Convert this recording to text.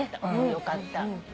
よかったね。